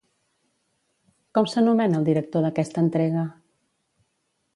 Com s'anomena el director d'aquesta entrega?